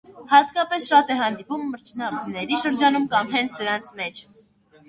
Հատկապես շատ է հանդիպում մրջնաբների շրջանում կամ հենց դրանց մեջ։